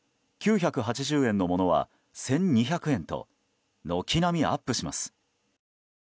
９８０円のものは１２００円と軒並みアップします。